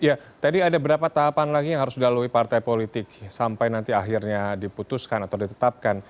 ya tadi ada berapa tahapan lagi yang harus dilalui partai politik sampai nanti akhirnya diputuskan atau ditetapkan